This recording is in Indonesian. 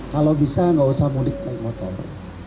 kalau bisa nggak usah mudik naik motor